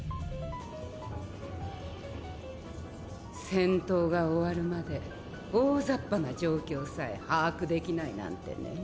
戦闘が終わるまで大ざっぱな状況さえ把握できないなんてね。